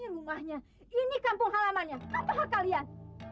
rumahnya ini kampung halamannya apa hak kalian